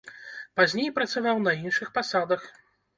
Пазней працаваў на іншых пасадах.